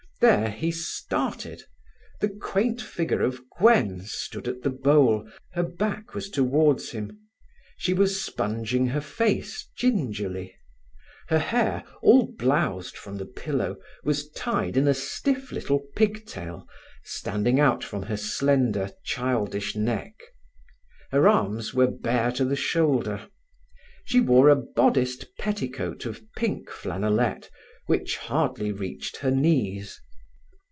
There he started. The quaint figure of Gwen stood at the bowl, her back was towards him; she was sponging her face gingerly. Her hair, all blowsed from the pillow, was tied in a stiff little pigtail, standing out from her slender, childish neck. Her arms were bare to the shoulder. She wore a bodiced petticoat of pink flannelette, which hardly reached her knees.